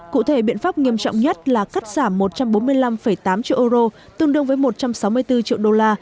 cụ thể biện pháp nghiêm trọng nhất là cắt giảm một trăm bốn mươi năm tám triệu euro tương đương với một trăm sáu mươi bốn triệu đô la